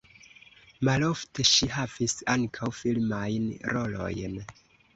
Malofte ŝi havis ankaŭ filmajn rolojn.